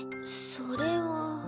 それは。